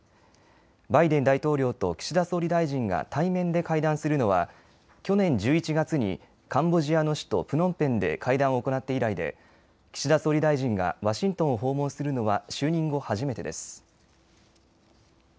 バイデン大統領と岸田総理大臣が対面で会談するのは去年１１月にカンボジアの首都プノンペンで会談を行って以来で岸田総理大臣がワシントンを訪問するのは就任後、初めてです。